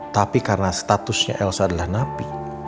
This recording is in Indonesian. tapi karena statusnya elsa adalah napi